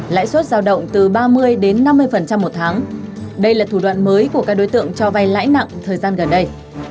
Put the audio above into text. lãi suất giao động từ ba mươi đến năm mươi một tháng đây là thủ đoạn mới của các đối tượng cho vay lãi nặng thời gian gần đây